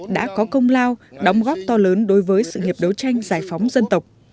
đã có công lao đóng góp to lớn đối với sự nghiệp đấu tranh giải phóng dân tộc